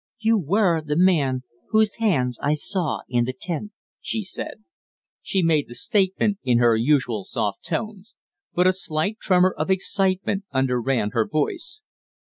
"You were the man whose hands I saw in the tent," she said. She made the statement in her usual soft tones, but a slight tremor of excitement underran her voice.